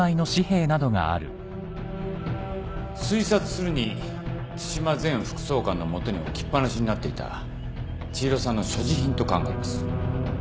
推察するに津島前副総監の元に置きっ放しになっていた千尋さんの所持品と考えます。